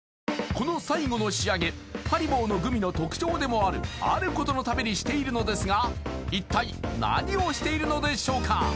この最後の仕上げハリボーのグミの特徴でもあるあることのためにしているのですが一体何をしているのでしょうか？